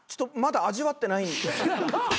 まだ味わってない。